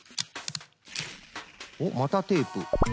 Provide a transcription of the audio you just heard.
おっまたテープ。